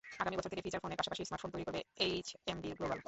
আগামী বছর থেকে ফিচার ফোনের পাশাপাশি স্মার্টফোন তৈরি করবে এইচএমডি গ্লোবাল।